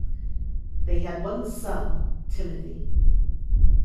They had one son, Timothy.